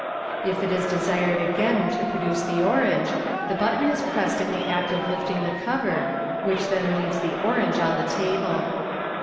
If it is desired again to produce the orange, the button is pressed in the act of lifting the cover, which then leaves the orange on the table.